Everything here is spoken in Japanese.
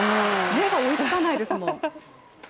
目が追いつかないですもん。